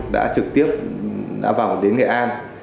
đã trực tiếp vào đến nghệ an